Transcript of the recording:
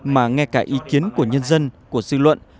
mà ngay cả ý kiến của nhân dân của dư luận